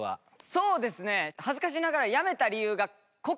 そうですね恥ずかしながら。